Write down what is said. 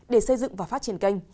để xây dựng và phát triển kênh